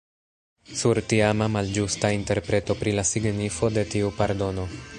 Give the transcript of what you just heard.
Sur tiama malĝusta interpreto pri la signifo de tiu pardono.